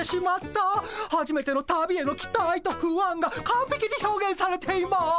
はじめての旅への期待と不安がかんぺきに表現されています。